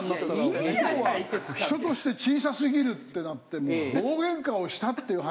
人として小さすぎるってなってもう大喧嘩をしたっていう話。